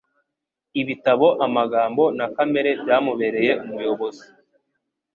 Ibitabo, amagambo na kamere byamubereye umuyobozi.